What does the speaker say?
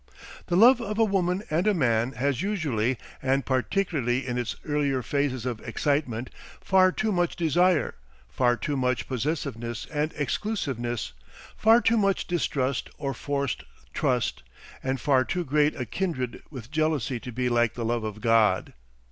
The love of a woman and a man has usually, and particularly in its earlier phases of excitement, far too much desire, far too much possessiveness and exclusiveness, far too much distrust or forced trust, and far too great a kindred with jealousy to be like the love of God.